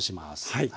はい。